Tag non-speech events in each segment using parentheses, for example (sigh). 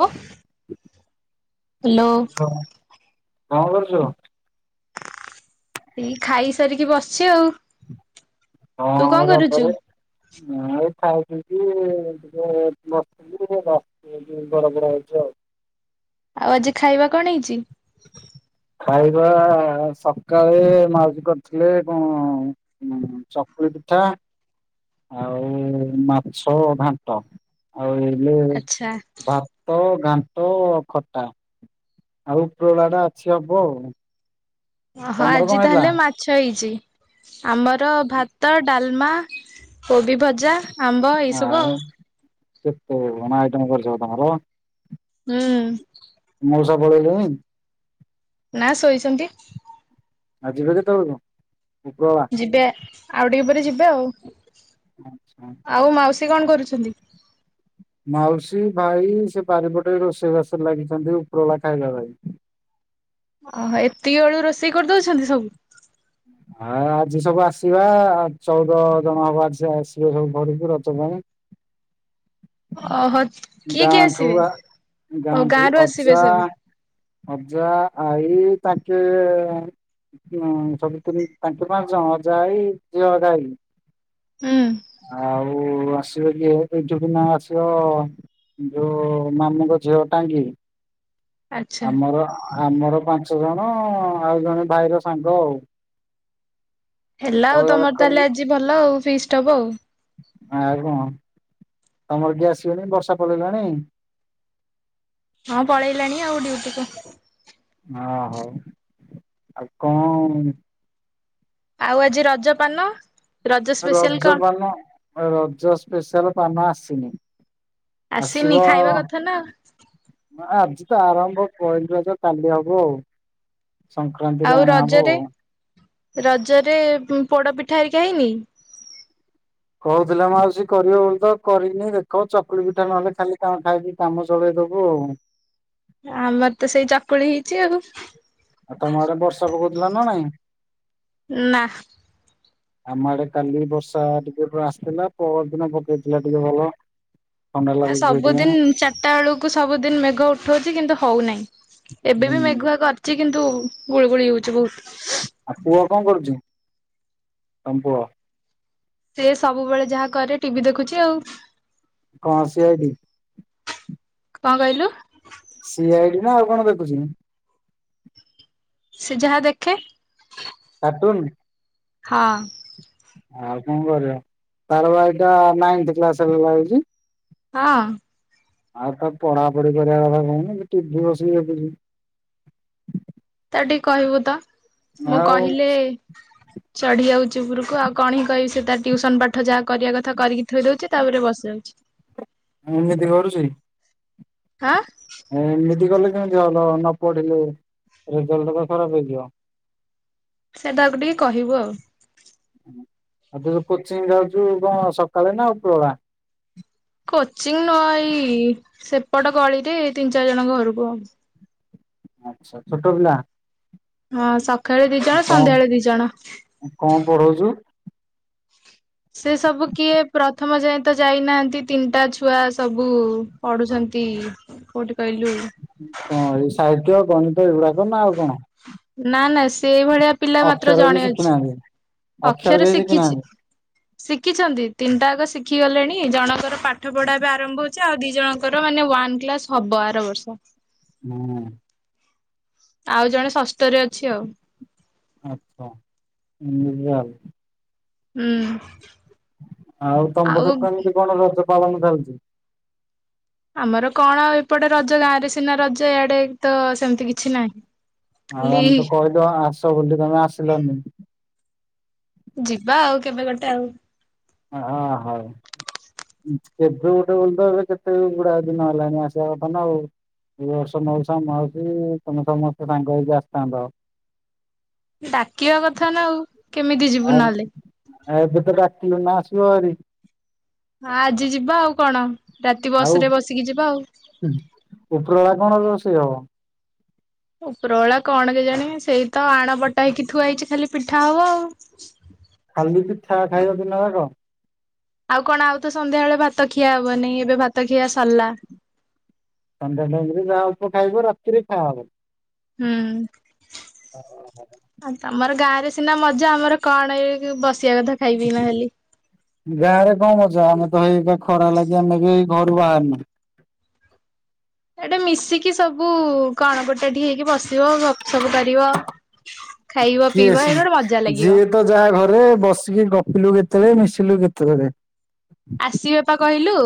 Hello. ହଁ କଣ କରୁଛୁ? ଏ ଖାଇସାରିକି ବସିଛି ଆଉ। ତୁ ହଁ କଣ କରୁଛୁ? ରଜରେ, ଏଇ ଖାଇ ପିଇକି ଟିକେ ବସି ବସିଚି ଏଇଠି, ବଡ ପଡ ହଉଛି ଆଉ। ଆଉ ଆଜି ଖାଇବା କଣ ହେଇଛି? ଖାଇବା, ସକାଳେ ମାଉସି କରିଥିଲେ (unintelligible) ଚକୁଲି ପିଠା, ଆଉ ମାଛ ଘାଣ୍ଟ। ଆଉ ଇଏ ଆଚ୍ଛା ଭାତ, ଘାଣ୍ଟ, ଖଟା। ଆଉ ଉପରବେଳା ଟା ଅଛି, ହବ ଆଉ। ଓ ହୋ, ତମର କଣ ଆଜି ହେଇଥିଲା? ତାହେଲେ ମା ଛ ହେଇଛି। ଆମର ଭାତ, ଡାଲମା, କୋବି ଭଜା ଆମ୍ବ ଏଇ ସବୁ ଆଉ। ଆଁ ଏତେ କଣ ଆଇଟମ୍ କରିଚ ମ ତମର? ହଁ। ମଉସା ପଳେଇଲେଣି? ନା ଶୋଇଛନ୍ତି। ଆଉ ଯିବେ କେତେବେଳକୁ, ଉପରବେଳା। ଯିବେ। ଆଉ ଟିକେ ପରେ ଯିବେ ଆଉ। ଆଚଛା। ଆଉ ମାଉସୀ କଣ କରୁଛନ୍ତି। ମାଉସୀ, ଭାଇ ସେ ବାରିପଟେ ରୋଷେଇବାଷରେ ଲାଗିଛନ୍ତି। ଉପରଲା ଖାଇବା ପାଇଁ। ଓହୋ। ଏତିକି ଆଳୁ ରୋଷେଇ କରିଦଉଛନ୍ତି ସବୁ। ହଁ ଆଜି ସବୁ ଆସିବା। ଚଉଦ ଜଣ ହବ ଆଜି ଆସିବେ ସବୁ ଘରକୁ। ରଥ ପାଇଁ। ଅହୋ। ଗାଠୁଆ। ଗାଁ ଗନ୍ଠୁ ରୁ ଆସିବେ ଅର୍ଜା। ସବୁ। ଅଜା, ଆଇ ତାଙ୍କେ। ହଁ। ସବୁ ତାଙ୍କ ମାରୁଛ। ଅଜା ହେ, ଯିଏ ଅଜା ହେଇ ହୁଁ। ଆଉ ଆସିବ। କିଏ ଏଠୁ କି ନା ଆସିବ। ଯୋଉ ମାମୁଁଙ୍କ ଝିଅ ଟାଙ୍କି। ଆଚ୍ଛା ଆମର। ଆମର ପାଞ୍ଚ ଜଣ। ଆଉ ଜଣେ ଭାଇର ସାଙ୍ଗ ଆଉ। ହେଲା ଏତକ ଆଉ। ଯାକ ତମର କଲୁ ତାହେଲେ ଆଜି ଭଲ ଆଉ। ଫିଷ୍ଟ ହବ ଆଉ। ଆଉ କଣ? ତମର କିଏ ଆସିବନି। ବର୍ଷା ପଳେଇଲାଣି। ହଁ ପଳେଇଲାଣି ଆଉ। ଡୁଟିକୁୁ। ହଁ। ହଉ ଆଉ କଣ? ଆଉ ଆଜି ରଜ ପାନ। ରଜ ସ୍ପେଶିଆଲ ରଜ କଣ ପାନ। ରଜ ସ୍ପେଶାଲ ପାନ ଆସିନି। ଆସିନି ଆସିବ। ଖାଇବା କଥା ନା ଆଜି ତ ଆରମ୍ଭ ପହିଲି ରଜ। କାଲି ହବ ଆଉ। ସଂକ୍ରାନ୍ତିରେ ଆଉ ଅଣାହବ ରଜରେ। ଆଉ ରଜରେ ପୋଡ଼ ପିଠା ହେରିକା ହେଇନି। କହୁଥିଲେ ମାଉସୀ କରିବ ବୋଲି ତ। କରିନି। ଦେଖ ଚକୁଳି ପିଠା ନହେଲେ ଖାଲି, କଣ ଖାଇବି? କାମ ଚଳେଇ ଦେବୁ ଆଉ। ଆମର ତ ସେଇ ଚକୁଳି ହେଇଛି ଆଉ। ଆଉ ତମ ଆଡେ ବର୍ଷା ପକଉଥିଲା ନା ନାଇଁ। ନା ଆମ ଆଡେ କାଲି ବର୍ଷା ଟିକେ ପୁର ଆସିଥିଲା। ପର ଦିନ ପକେଇଥିଲା ଟିକେ ଭଲ। ଥଣ୍ଡା ଲାଗୁଛି ସେଇଥିପାଇଁ ସବୁଦିନ। ଚାରିଟା ବେଳକୁ। ସବୁଦିନ ମେଘ ଉଠଉଛି, କିନ୍ତୁ ହଉନାହିଁ। ଏବେ ବି ହୁଁ ମେଘୁଆ କରିଛି। କିନ୍ତୁ ଗୁଳୁଗୁଳି ହଉଛି ବହୁତ। ଆଉ ପୁଅ କଣ କରୁଛି। ତମ ପୁଅ। ସେ ସବୁବେଳେ ଯାହା କରେ। ଟିଭି ଦେଖୁଛି ଆଉ। କଣ ସିଏବି। କଣ କହିଲୁ। ସିଆଇ ନା ଆଉ କଣ ଦେଖୁଛି ସେ ଯାହା ଦେଖେ କଟନ ହଁ ଆଉ କଣ କରିବା ତାର ବା ଏଟା ନାଇ୍ ଲାଗଛି ହଁ ଆଉ ତା ପଢାପଢି କରିବା କଥା କହୁନି ଟିଭି ବସିକି ଦେଖୁଛି ତା ଟିକେ କହିବୁ ତ ମୁଁ ଆଉ କହିଲି ଚଢି ଯାଉଛି ଉପରକୁ ଆଉ କଣ ହିଁ କହିବି ତା ଟଟିଉସନ ପାଠ ଯାହା କରିବା କଥା କରିକି ଥୋଇ ଦଉଛି ତାପରେ ବସିଯାଉଛି ଁ ଏମିତି କରୁଛି ହାଁ ଏମିତି କଲେ କେମିତି ଭଲ ନ ପଢିଲେ ରେଜଲ୍ଟ ତ ଖରାପ ହେଇଯିବ ସେଇଟାକୁ ଟିକେ କହିବୁ ଆଉ ଆଉ ତ ଯଉ କୋଚିଂ ଯାଉଛୁ କଣ ସକାଳେ ନା ଆଉ ପୁରଳା କୋଚିଂ ନୁଆ ଏଇ ସେପଟ କଳିରେ ତିନି ଚାରି ଜଣଙ୍କ ଘରକୁ ଆବ ଆଚଛା ଛୋଟ ପିଲା ହଁ ସକାଳେ ଦି ଜଣ କଣ ସନ୍ଧ୍ୟାବେଳେ ଦି ଜଣ କଣ ପଢ଼ଉଛୁ? ସେ ସବୁ କିଏ ପ୍ର ଥମ ଯାଏ ତ ଯାଇନାହାନ୍ତି ତିନିଟା ଛୁଆ ସବୁ ପଢ଼ୁଛନ୍ତି। କଉଠି କହିଲୁ? କଣ ଏଇ ସାହିତ୍ୟ ଗଣିତ ଏଇ ଗୁଡ଼ାକ ନା ଆଉ କଣ? ନା ନା ସେଇ ଭଳିଆ ପିଲା ମାତ୍ର ଅକ୍ଷର ବି ଜଣେ ଅଛି ଶିଖିନାହାନ୍ତି ଅକ୍ଷର କେହି ଶିଖିଛି। ଶିଖିନାହାନ୍ତି। ଶିଖିଛନ୍ତି ତିନିଟା ଆଗ ଶିଖି ଗଲେଣି ଜଣଙ୍କର ପାଠ ପଢ଼ା ବେ ଆରମ୍ଭ ହଉଛି ଆଉ ଦି ଜଣ ର ମାନେ ୱନ୍ କ୍ଲାସ ହବ ଆର ବର୍ଷ। (unintelligible) ଆଉ ଜଣେ ଷଷ୍ଠରେ ଅଛି ଆଉ। ଆଚ୍ଛା (unintelligible) ହୁଁ। ଆଉ ତମ ପଟେ କେମିତି କଣ ରଜ ପାଳନ ଚାଲିଛି? ଆମର କଣ ଆଉ ଏପଟେ ରଜ ଗାଁ ରେ ସିନା ରଜ ଇଆଡ଼େ ତ ସେମିତି କିଛି ନାହିଁ। ଆଉ ଖାଲି ଆମେ ତ କହିଲୁ ହଁ ଆସ ବୁଲି ତମେ ଆସିଲନି। ଯିବା ଆଉ କେବେ ଗୋଟେ ଆଉ। ହଁ ହଉ। କେବେ ଗୋଟେ ବୋଲିତ ଏବେ କେତେ ଗୁଡ଼ାଏ ଦିନ ହେଲାଣି ଆସିବା କଥାନା ଆଉ। ଏ ବର୍ଷ ମଉସା ମାଉସୀ ତମେ ସମସ୍ତେ ସାଙ୍ଗ ହେଇକି ଆସିଥାନ୍ତ। ଡାକିବା କଥା ନା ଆଉ କେମିତି ଯିବୁ ଆ ନହେଲେ? ଏବେ ତ ଡ଼ାକିଲୁ ନା ଆସିବ ଆରି। ହଁ ଆଜି ଯିବା ଆଉ କଣ ରାତି ବସରେ ବସିକି ଯିବା ଆଉ। ହୁ ଉପରଳା କଣ ରୋଷେଇ ହବ? ଉପରଓଳା କଣ କେଜାଣି ସେଇତ ଆଣ ବଟା ହେଇକି ଥୁଆ ହେଇଛି ଖାଲି ପିଠା ହବ ଆଉ। ଖାଲି ପିଠା ଖାଇବାକୁ ନବାକ। ଆଉ କଣ ଆଉ ତ ସନ୍ଧ୍ୟାବେଳେ ଭାତ ଖିଆ ହେବନି ଏବେ ଭାତ ଖିଆ ସରିଲା। ସନ୍ଧ୍ୟା ଟାଇମରେ ଯାହା ଅଳ୍ପ ଖାଇବ ରାତିରେ ଖାଆହବ। ହୁଁ। ଆ ତମର ଗାଁ ରେ ସିନା ମଜା ଆମର କଣ ଏ ବସିବା କଥା ଖାଇପିକିନା ଖାଲି। ଗାଁରେ କଣ ମଜା ଆମେ ତ ହେଇ ଖରା ଲାଗି ଆମେ ବିଇ ଘରୁ ବାହାରୁନୁ। ଏଇଟା ମିଶିକି ସବୁ କଣ ଗୋଟାଠି ହେଇକି ବସିବ ଗପ୍ ସପ୍ କରିବ। ଖାଇବ କିଏ ପିଇବ ସି ଏଇ ଗୋଟେ ମଜା ଲାଗିବ। ଯିଏ ତ ଯାହା ଘରେ ବସିକି ଗପିଲୁ କେତେବେଳେ ମିଶିଲୁ କେତେବେଳେ? ଆସିବା ପା କହିଲୁ।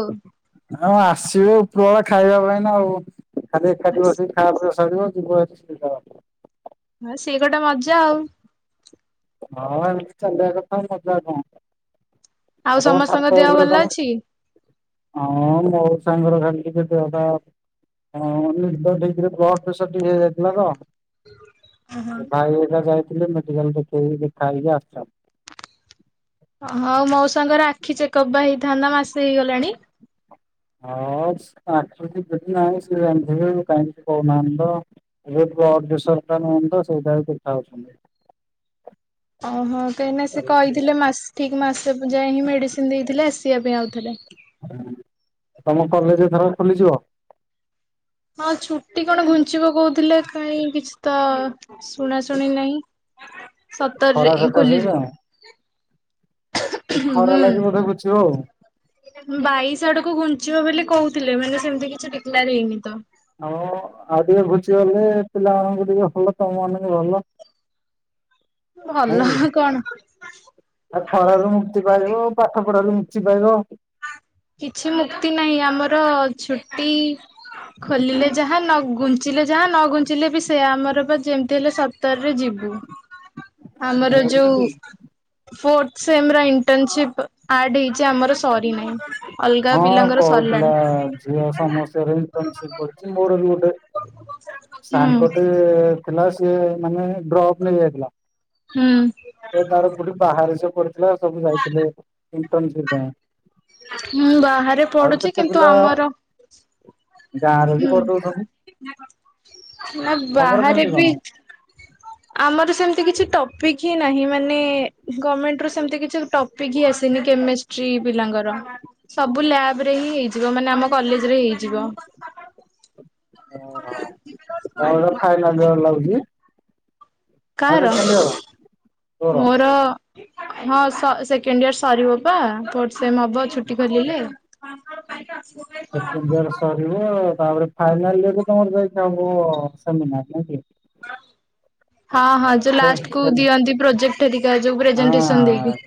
ହଁ ଆସିବୁ ଉପରଳା ଖାଇବା ପାଇଁନା ଆଉ ଖାଲି ଏକାଟି ବସି (unintelligible) ହଁ ସିଏ ଗୋଟେ ମଜା ଆଉ। ହଁ ବା ଏମିତି ଚାଲିବା କଥା ମଜା କଣ? ଆଉ ତମ ସମସ୍ତଙ୍କ ଛାତ ଦେହ ଉପରେ ଭଲ ତମେ ଅଛି? ହଁ ମୋର ସାଙ୍ଗର ଖାଲି ଟିକେ ଦେହପା ହଁ ନିଦ ଠିକରେ ବ୍ଲଡ଼୍ ପ୍ରେସର ଟିକେ ହେଇଯାଇଥିଲା ତ। ଭାଇ ଏଟା ଯାଇଥିଲେ ମେଡ଼ିକାଲ ଦେଖେଇକି ଦେଖା ହେଇକି ଆସିଚନ୍। ଓହ ଆଉ ମଉସାଙ୍କର ଆଖି ଚେକପ୍ ବା ହେଇଥାନ୍ତା ମାସେ ହେଇଗଲାଣି। (unintelligible) ସେ ଜାଣିଥିବେ କାହିଁକି କହୁନାହାନ୍ତି ତ (unintelligible) ଓହୋ କାହିଁକିନା ସେ ତମ କହିଥିଲେ ମାସ୍ ଠିକ ମାସେ ଯାଏ ହିଁ ମେଡ଼ିସିନ ଦେଇଥିଲେ ଆସିବା ପାଇଁ ଆଉଥରେ। ତମ କଲେଜ ଏଥର ଖୋଲିଯିବ? ହଁ ଛୁଟି କଣ ଘୁଞ୍ଚିବ କହୁଥିଲେ କାହିଁ କିଛିତ ଶୁଣା ଶୁଣି ନାହିଁ ଖରା ସତରେ ଇଁ ସକାଶେ ନା ଖୋଲିଯିବ। ଏ ହୁଁ। ଖରା ଲାଗି ବୋଧେ ଘୁଚିବ ଆଉ। ବାଇଶ ଆଡକୁ ଘୁଞ୍ଚିବ ବୋଲି କହୁଥିଲେ ମାନେ ସେମିତି କିଛି ଟିକିଲାର ହେଇନି ତ ଆଉ ଆଉ ଟିକେ ଘୁଚି ଗଲେ ପିଲାମାନଙ୍କୁ ଟିକେ ଭଲ ତମ ମାନଙ୍କୁ ଭଲ ନାଇଁ ଭଲ କି? କଣ ଖରାରୁ ମୁକ୍ତି ପାଇବ ପାଠ ପଢାାରୁ ମୁକ୍ତି ପାଇବ କିଛି ମୁକ୍ତି ନାହିଁ ଆମର ଛୁଟି ଖୋଲିଲେ ଯାହା ନଗୁ ଘୁଞ୍ଚିଲେ ଯାହା ନ ଘୁଞ୍ଚିଲେ ବି ସେ ଆମର ବା ଯେମିତି ହେଲେ ସତରରେ ଯିବୁ ଆମର ଏମିତି ଯୋଉ ଥ ଇଣ୍ଟସି ହେ ଆମର ଅଲଗା ହଁ ପିଲାଙ୍କର କହୁଥିଲା ସରିଲାଣି ଝିଅ ସମସ୍ତ ଇଣ୍ଟସିପ କରିଛି ମୋର ବିୋ ହୁଁ। ସାନ୍କୋଟ ଥିଲା ସିଏ ମାନେ ଡ୍ରପ୍ ନେଇଯାଇଥିଲା ହୁଁ ତ ତାର କୋଠି ବାହାରେ ସବ ପଥିଲା ସବୁ ଯାଇଥିଲେ ଇଣ୍ଟର୍ନସିପ ପାଇଁ ମୁଁ ବାହାରେ ଆଉ ପଡୁଛି କେତେ କିନ୍ତୁ ପିଲା ଆମର ଗାଁରେ ବି ହୁଁ କର ଦଉଛନ୍ତି ନା ତମର ବାହାରେ କେମିତି ବି କଣ ହ ଆମର ସେମତି କିଛି ଟପିକ୍ ହିଁ ନାହିଁ ମାନେ ଗଭର୍ଣମେଣ୍ଟୁ ସେମିତି କିଛି ଟପିକ୍ ହିଁ ଆସିନି କେମସ୍ ସ୍ତ୍ରୀ ପିଲାଙ୍କର ସବୁ ଲ୍ୟାବ ରେ ହିଁ ହେଇଯିବ ମାନେ ଆମ କଲେଜ ରେ ହେଇଯିବ (unintelligible) ଓ ଫାଇନା ଜର ଲାଗୁଛି ନା କାହାର ସେକେଣ୍ଡ ଇୟର ତୋର? ମୋର ହଁ ସେକେଣ୍ଡ ଇୟର ସରିବ ପା ସେ ହବ ଛୁଟି ଖିଲେ କଣ କ କ ତ ଆସିବ ସେ ସରିବ ତାପରେ ଫାଇନାଲ ଇ ତମର ଯାଇଥାବ ସେମିନାର ହଁ ହଁ ଯୋଉ ସେ ଲାଷ୍ଟ କୁ ସେ ହଁ। ଦିଅନ୍ତି ପ୍ରୋଜେଟରିକା ଯୋ ପ୍ରେଜେଟେସନ ଦେଇକି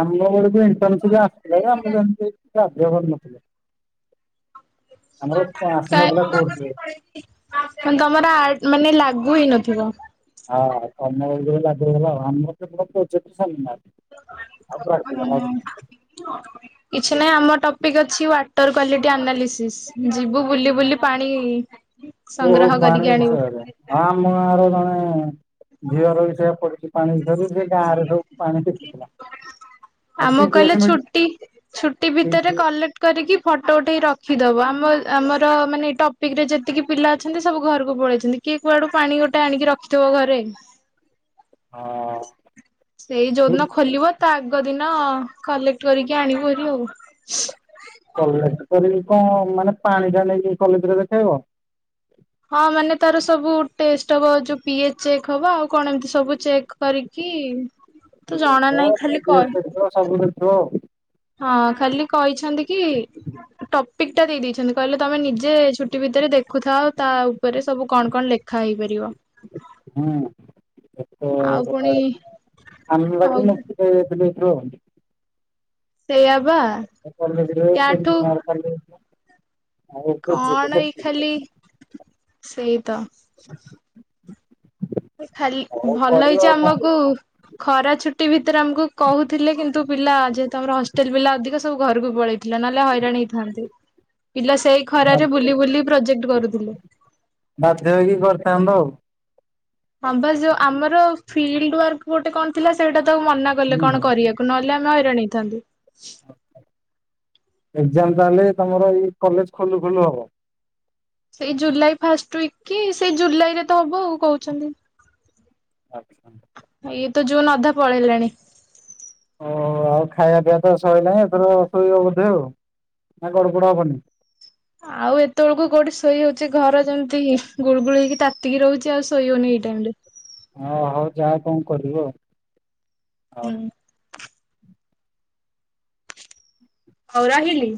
ଆମ ଗକୁନ୍ ଆସିଥିଲା ଯେ ଆମକୁ ଯେମିତି ବାଧ୍ୟ କରିନଥିଲ ଆମର କାଇଁ ଆସିନଥିଲା କୋର୍ଟରେ ତମର ଆ ମାନେ ଲାଗୁ ହେଇ ନଥିବ ହଁ କନ୍ୟ ଲାଗୁ ଆମର ଆଉ ପ୍ରାକ୍ଟିକାଲ ଆଉ ହୁଁ କିଛି ନାହିଁ ଆମ ଟପିକ୍ ଅଛି ୱାଟର କ୍୍ୱାଲିଟି ଆନାଲିସିସ୍ ଯିବୁ ବୁଲି ବୁଲି ପାଣି ଓହୋ ସଂଗ୍ରହ ପାଣି କରିକି ଆଣିବୁ। ସ ହଁ ଆମ ଗାଁ ର ଜଣେ ଝିଅର ବି ସେଇଆ ପଡିଛି ପାଣି ବିଷରେ ଆର୍ହ ପାଣେ କିଥିଲା ଆମ କହିଲେ ଛୁଟି ଛୁଟି ଭିତରେ କଲେକ୍ କରିକି ଫଟୋ ଉଠେଇ ରଖିଦବ ଆମ ଆମର ମାନେ ଟପିକ ରେ ଯେତିକି ପିଲା ଅଛନ୍ତି ସବୁ ଘରକୁ ପଳେଇଛନ୍ତି କିଏ କୁଆଡୁ ପାଣି ଗୋଟେ ଆଣିକି ରଖିଥିବ ଘରେ ହଁ ସେଇ ଯୋଉଦିନ ଖୋଲିବ ତା ଆଗ ଦିନ କଲେକ୍ଟ କରିକି ଆଣିବରି ଆଉ କଲେଜ କରିକି କଣ ମାନେ ପାଣି ଟା ନେଇକି କଲେଜରେ ଦେଖେଇବ ହଁ ମାନେ ତାର ସବୁ ଟେଷ୍ଟ ହବ ଯୋଉ ପି ଏଚ ଚେକ୍ ହବ ଆଉ କଣ ଏମିତି ସବୁ ଚେକ୍ କରିକି ତ ଜଣା ନାହିଁ ଖାଲି ିକ କହି ଅଛ ସବୁବେଳେ ଥିବ ହଁ ଖାଲି କହିଛନ୍ତି କି ଟପିକ ଟା ଦେଇ ଦେଇେଇଛନ୍ତି କହିଲେ ତମେ ନିଜେ ଛୁଟି ଭିତରେ ଦେଖୁଥାଅ ତା ଉପରେ ସବୁ କଣ କଣ ଲେଖା ହେଇପାରିବ ହଁ ଆଉ ପୁଣି ଆମ ଆଉ ଲାଗି ହ ହଉ ସେଇଆ ବା ୟାଠୁ ଆ କଣ ଏଇ ଖାଲି ସେଇ ତ ଖାଲି ହଉ ଭଲ କରିବ ହେଇଛି ଆଉ କଣ କରିବ ଆମକୁ ଖରା ଛୁଟି ଭିତରେ ଆମକୁ କହୁଥିଲେ କିନ୍ତୁ ପିଲା ଯେହେତୁ ଆମର ହଷ୍ଟେଲ ପିଲା ଅଧିକ ସବୁ ଘରକୁ ପଳେଇ ଥିଲା ନହେଲେ ହଇରାଣ ହେଇଥାନ୍ତୁ, ପିଲା ସେଇ ଖରାରେ ବାଧ୍ୟ ବୁଲି ବୁଲି ପ୍ରୋଜେକ୍ଟ କରୁଥିଲେ। ବାଧ୍ୟ ହେଇକି କରିଥାନ୍ତ ଆଉ। ହଁ ବାସ ଯୋଉ ଆମର ଫିଲ୍ଡ ୱାର୍କ ଗୋଟେ କଣ ଥିଲା ସେଇଟା ତାକୁ ମନା କଲେ ହୁଁ। କଣ କରିବାକୁ। ନହେଲେ ଆମେ ହଇରାଣ ହେଇଥାନ୍ତୁ। ଏକ୍ଜାମ ତାହେଲେ ତମର ଏଇ କଲେଜ ଖୋଲୁ ଖୋଲୁ ହବ? ସେଇ ଜୁଲାଇ ଫାଷ୍ଟ ୱିକ କି ସେଇ ଜୁଲାଇରେ ତ ହବ ଆଉ କହୁଛନ୍ତି। ଆଚ୍ଛା। ଇଏ ତ ଜୁନ ଅଧା ପଳେଇଲାଣି। ଓ ଆଉ ଖାଇବା ପିଇବା ତ ଶୋଇଲାଣି ଏଥର ଶୋଇବ ବୋଧେ ଆଉ ନା ଗଡ଼ ପଡ଼ ହବନି? ଆଉ ଏତେବେଳକୁ କୋଉଠି ଶୋଇ ହଉଛି ଘର ଯେମିତି ଗୁଳୁଗୁଳ ହେଇକି ତାତିକି ରହୁଛି ଆଉ ଶୋଇ ହଉନି ଏଇ ଟାଇମ ରେ। ହଁ ହଉ ଯାହା କଣ କରିବ ଆଉ, ହଉ। (inaudible) ହଉ ରହିଲି।